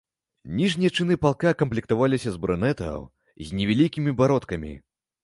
Ніжнія чыны палка камплектаваліся з брунетаў з невялікімі бародкамі.